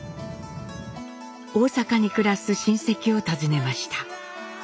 大阪に暮らす親戚を訪ねました。